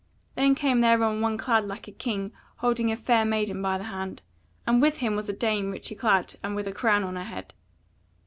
Then came thereon one clad like a king holding a fair maiden by the hand, and with him was a dame richly clad and with a crown on her head.